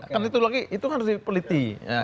kan itu lagi itu harus dipeliti